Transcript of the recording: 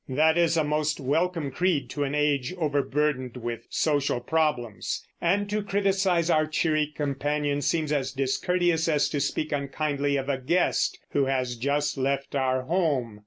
That is a most welcome creed to an age overburdened with social problems; and to criticise our cheery companion seems as discourteous as to speak unkindly of a guest who has just left our home.